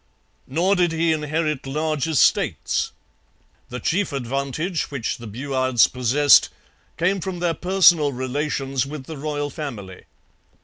Nor did he inherit large estates. The chief advantage which the Buades possessed came from their personal relations with the royal family.